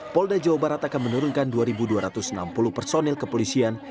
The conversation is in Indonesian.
polda jawa barat akan menurunkan dua dua ratus enam puluh personil kepolisian